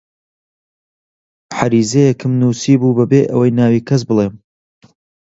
عەریزەیەکم نووسیبوو بەبێ ئەوە ناو کەس بڵێم: